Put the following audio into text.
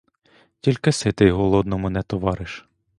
Тільки ситий голодному не товариш!